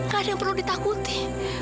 gak ada yang perlu ditakuti